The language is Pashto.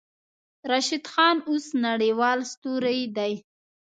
راشد خان اوس نړۍوال ستوری دی.